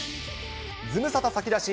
ズムサタ先出し！